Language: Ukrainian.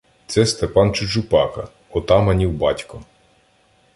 Це Степан Чучупака, отаманів батько.